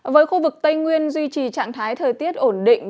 với khu vực tây nguyên duy trì trạng thái thời tiết ổn định